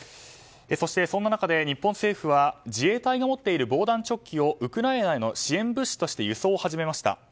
そして、そんな中で日本政府は自衛隊が持っている防弾チョッキをウクライナへの支援物資として輸送を始めました。